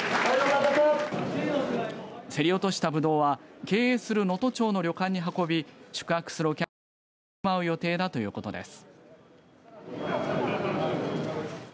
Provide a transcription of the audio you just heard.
競り渡したぶどうは経営する能登町の旅館に運び宿泊するお客さんにふるまう予定だということです。